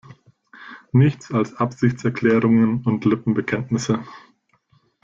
Nichts als Absichtserklärungen und Lippenbekenntnisse.